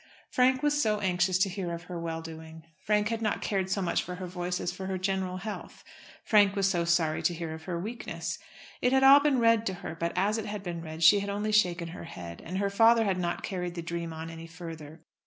Frank was so anxious to hear of her well doing. Frank had not cared so much for her voice as for her general health. Frank was so sorry to hear of her weakness. It had all been read to her, but as it had been read she had only shaken her head; and her father had not carried the dream on any further.